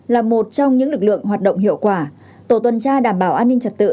là một trong những lực lượng hoạt động hiệu quả tổ tuần tra đảm bảo an ninh trật tự